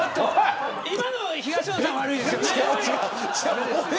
今のは東野さんが悪いですよね。